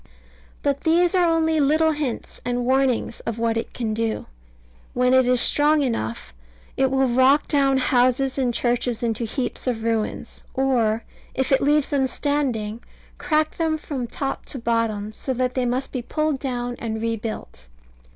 But these are only little hints and warnings of what it can do. When it is strong enough, it will rock down houses and churches into heaps of ruins, or, if it leaves them standing, crack them from top to bottom, so that they must be pulled down and rebuilt.